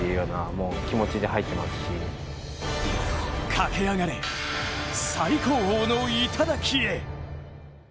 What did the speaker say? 駆け上がれ、最高峰の頂へ。